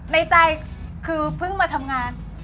ในใจคือเพิ่งมาทำงาน